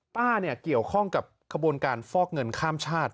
เกี่ยวข้องกับขบวนการฟอกเงินข้ามชาติ